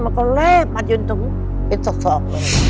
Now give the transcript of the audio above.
มันก็แร่บมันยืนถึงเป็นสกเลย